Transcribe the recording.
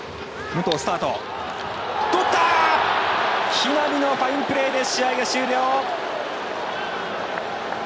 木浪のファインプレーで試合終了！